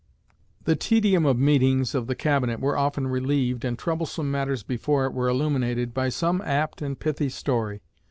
The tedium of meetings of the Cabinet was often relieved, and troublesome matters before it were illuminated, by some apt and pithy story.